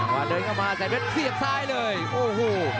ว่าเดินเข้ามาแสนเพชรเสียบซ้ายเลยโอ้โห